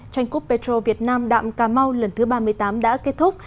tranh cúp petro việt nam đạm cà mau lần thứ ba mươi tám đã kết thúc